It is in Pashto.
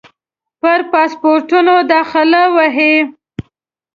پر پاسپورټونو داخله وهي.